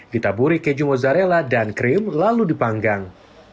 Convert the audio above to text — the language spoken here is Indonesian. ditaburi keju mozzarella dan krim lalu dipanggang